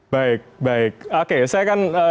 baik baik oke saya akan